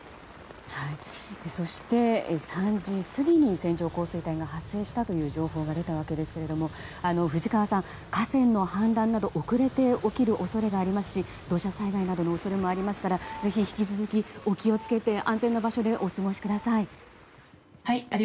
そして、３時過ぎに線状降水帯が発生したという情報が出たわけですが藤川さん、河川の氾濫など遅れて起きる恐れがありますし土砂災害などの恐れもありますからぜひ、引き続きお気をつけて安全な場所でお過ごしください。